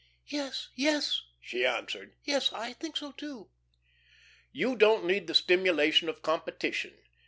"Yes, yes," she answered. "Yes, I think so, too." "You don't need the stimulation of competition.